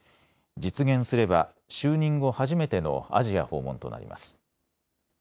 実現すれば就任後初めてのアジア訪問となります。